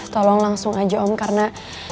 tolong langsung aja om karena